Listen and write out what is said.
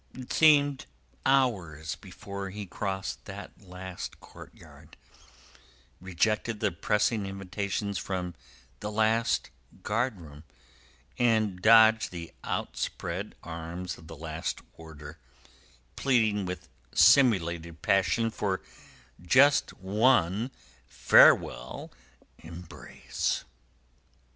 It seemed hours before he crossed the last courtyard, rejected the pressing invitations from the last guardroom, and dodged the outspread arms of the last warder, pleading with simulated passion for just one farewell embrace.